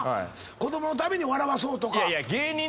子供のために笑わそうとか。